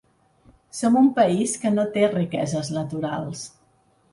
Som un país que no té riqueses naturals.